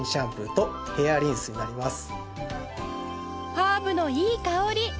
ハーブのいい香り！